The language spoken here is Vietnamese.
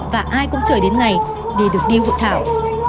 và ai cũng chờ đến ngày để được đi hội thảo